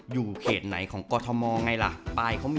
อยู่เขตไหนของกทม